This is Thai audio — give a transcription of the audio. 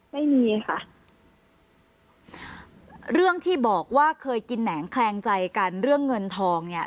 ไม่มีค่ะเรื่องที่บอกว่าเคยกินแหนงแคลงใจกันเรื่องเงินทองเนี่ย